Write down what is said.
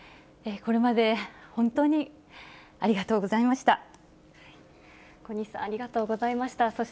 これまで本当にありがとうございました。